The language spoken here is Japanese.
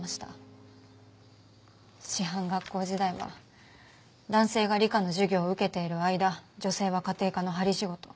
師範学校時代は男性が理科の授業を受けている間女性は家庭科の針仕事。